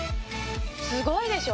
すごいでしょ？